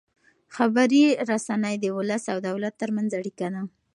خبري رسنۍ د ولس او دولت ترمنځ اړیکه ده.